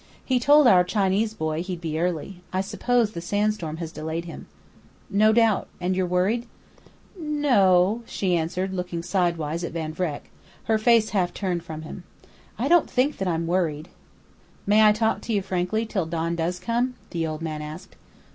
"He told our Chinese boy he'd be early. I suppose the sandstorm has delayed him." "No doubt.... And you're worried?" "No o," she answered, looking sidewise at Van Vreck, her face half turned from him. "I don't think that I'm worried." "May I talk to you frankly till Don does come?" the old man asked.